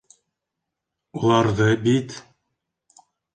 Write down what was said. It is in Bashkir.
Уларҙы бит...